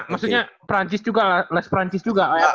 maksudnya perancis juga less perancis juga